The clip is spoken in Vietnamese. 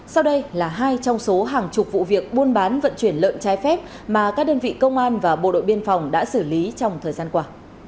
sau đây là hai trong số hàng chục vụ việc buôn bán vận chuyển lợn trái phép mà các đơn vị công an và bộ đội biên phòng đã xử lý trong thời gian qua